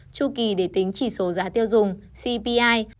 chu kỳ để tính chỉ số giá tiêu dùng cpi